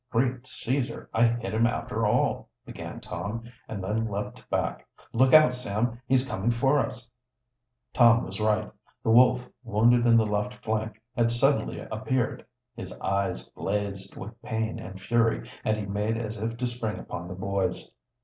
"Great Caesar! I hit him after all," began Tom, and then leaped back. "Look out, Sam, he's coming for us!" Tom was right. The wolf, wounded in the left flank, had suddenly appeared. His eyes blazed with pain and fury, and he made as if to spring upon the boys.